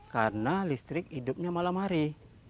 karena listrik hidupnya malam hari